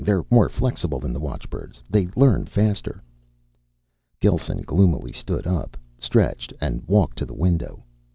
They're more flexible than the watchbirds. They learn faster." Gelsen gloomily stood up, stretched, and walked to the window.